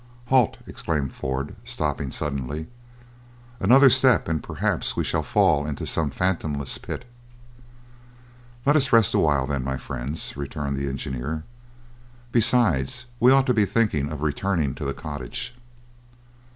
"Halt!" exclaimed Ford, stopping suddenly. "Another step, and perhaps we shall fall into some fathomless pit." "Let us rest awhile, then, my friends," returned the engineer. "Besides, we ought to be thinking of returning to the cottage."